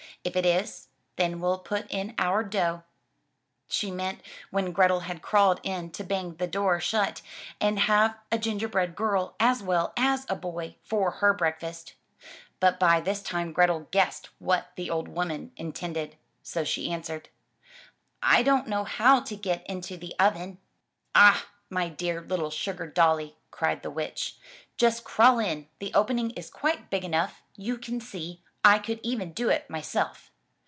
If it is, then we'll put in our dough." She meant when Grethel had crawled in to bang the door shut, and have a gingerbread girl as well as a boy for her break fast. But by this time Grethel guessed what the old woman in tended. So she answered: "I don't know how to get into the oven." 50 THROUGH FAIRY HALLS "Ah, my dear little Sugar Dolly/' cried the witch. "Just crawl in. The opening is quite big enough, you can see — I could even do it myself."